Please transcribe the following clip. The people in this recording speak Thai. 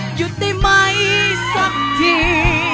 หยุดได้ไหมสักที